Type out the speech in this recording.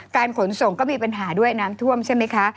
ขนส่งก็มีปัญหาด้วยน้ำท่วมใช่ไหมคะ